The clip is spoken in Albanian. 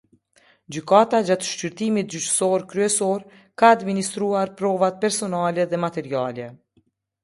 Gjykata gjatë shqyrtimit gjyqësor kryesor, ka administruar provat personale dhe materiale.